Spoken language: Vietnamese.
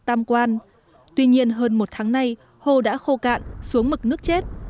tuy nhiên hơn một tháng nay hồ đã khô cạn xuống mực nước chết